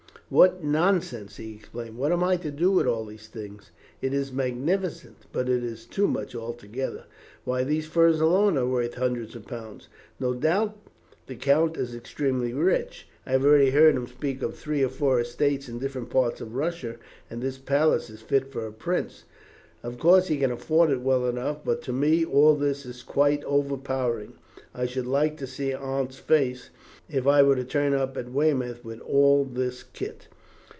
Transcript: "What nonsense!" he exclaimed. "What am I to do with all these things? It is magnificent; but it is too much altogether. Why, these furs alone are worth hundreds of pounds! No doubt the count is extremely rich. I have already heard him speak of three or four estates in different parts of Russia, and this palace is fit for a prince. Of course, he can afford it well enough, but to me all this is quite overpowering. I should like to see Aunt's face if I were to turn up at Weymouth with all this kit."